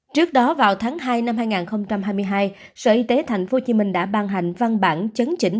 trước đó vào tháng hai năm hai nghìn hai mươi hai sở y tế tp hcm đã ban hành văn bản chấn chỉnh